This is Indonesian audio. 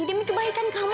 demi kebaikan kamu